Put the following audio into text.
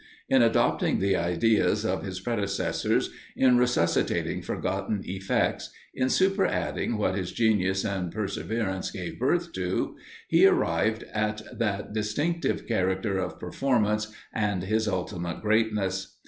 In adopting the ideas of his predecessors, in resuscitating forgotten effects, in superadding what his genius and perseverance gave birth to, he arrived at that distinctive character of performance and his ultimate greatness.